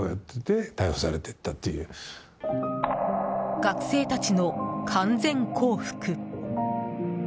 学生たちの完全降伏。